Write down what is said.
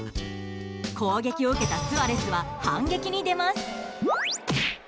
攻撃を受けたスアレスは反撃に出ます。